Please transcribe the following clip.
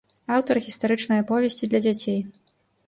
Аўтар гістарычнай аповесці для дзяцей.